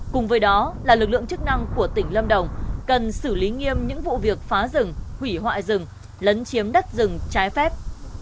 cùng với đó là lực lượng chức năng của tỉnh lâm đồng cần xử lý nghiêm những vụ việc phá rừng hủy hoại rừng lấn chiếm đất rừng trái phép